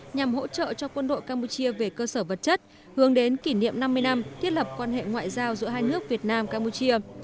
nhằm hỗ trợ cho quân đội campuchia về cơ sở vật chất hướng đến kỷ niệm năm mươi năm thiết lập quan hệ ngoại giao giữa hai nước việt nam campuchia